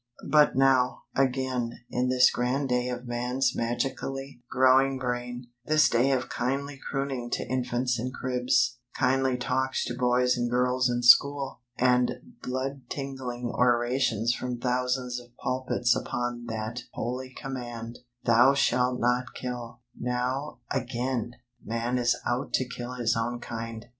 But now, again, in this grand day of Man's magically growing brain, this day of kindly crooning to infants in cribs; kindly talks to boys and girls in school; and blood tingling orations from thousands of pulpits upon that Holy Command: 'Thou Shalt Not Kill,' now, again, Man is out to kill his own kind."